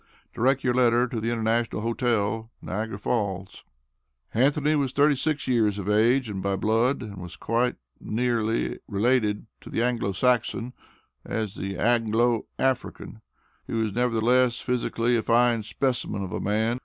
Direct your letter to the International Hotel, Niagara Falls. Anthony was thirty six years of age, and by blood, was quite as nearly related to the Anglo Saxon as the Anglo African. He was nevertheless, physically a fine specimen of a man.